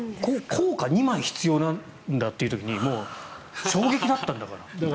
硬貨２枚必要なんだっていう時にもう衝撃だったんだから。